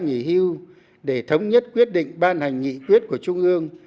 đồng thời có nhiều người đã nghỉ hưu để thống nhất quyết định ban hành nghị quyết của trung ương